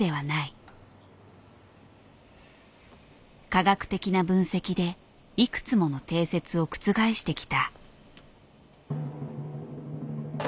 科学的な分析でいくつもの定説を覆してきた。